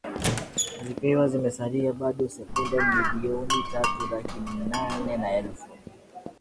zikiwa zimesalia bado senduke milioni tatu laki nane na elfu